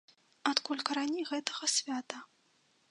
Адкуль карані гэтага свята?